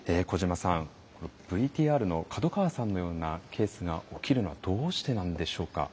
ＶＴＲの門川さんのようなケースが起きるのはどうしてなんでしょうか？